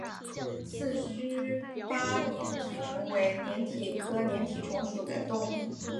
四须鲃粘体虫为粘体科粘体虫属的动物。